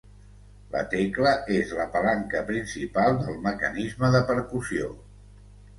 La tecla és la palanca principal del mecanisme de percussió.